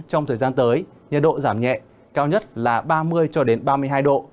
trong thời gian tới nhiệt độ giảm nhẹ cao nhất là ba mươi ba mươi hai độ